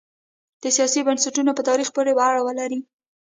د سیاسي بنسټونو په تاریخ پورې به اړه ولري.